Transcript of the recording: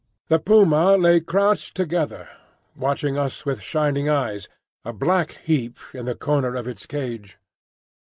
The puma lay crouched together, watching us with shining eyes, a black heap in the corner of its cage.